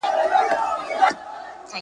خوني پړانګ چي هر څه زور واهه تر شا سو ,